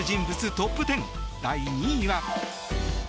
トップ１０第２位は。